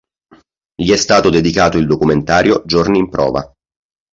Gli è stato dedicato il documentario "Giorni in prova.